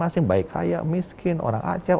tapi setelah ini ya pak ya